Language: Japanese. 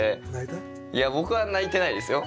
いや僕は泣いてないですよ。